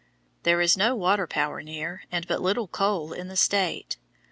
There is no water power near and but little coal in the state.